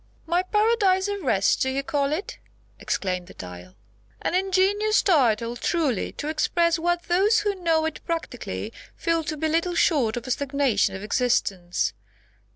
"My paradise of rest, do you call it?" exclaimed the Dial; "an ingenious title, truly, to express what those who know it practically, feel to be little short of a stagnation of existence.